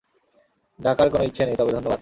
ডাকার কোনো ইচ্ছা নেই, তবে ধন্যবাদ।